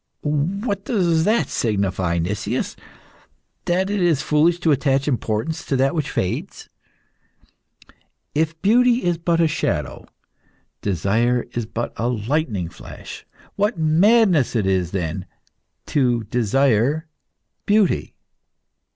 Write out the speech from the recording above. "What does that signify, Nicias? That it is foolish to attach importance to that which fades?" "If beauty is but a shadow, desire is but a lightning flash. What madness it is, then, to desire beauty!